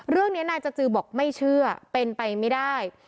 เรื่องนี้นายจจือบอกไม่เชื่อเป็นไปไม่ได้